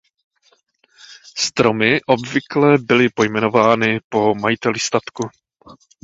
Stromy obvykle byly pojmenovány po majiteli statku.